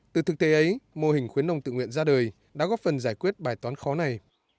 từ thực tế ấy mô hình khuyến nông tự nguyện ra đời đã góp phần giải quyết bài toán khó này